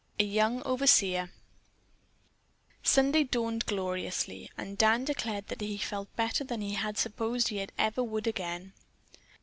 A YOUNG OVERSEER Sunday dawned gloriously, and Dan declared that he felt better than he had supposed that he ever would again.